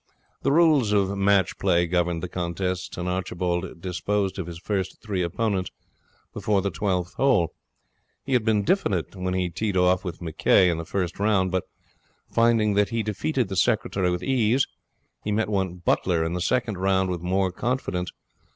The rules of match play governed the contests, and Archibald disposed of his first three opponents before the twelfth hole. He had been diffident when he teed off with McCay in the first round, but, finding that he defeated the secretary with ease, he met one Butler in the second round with more confidence.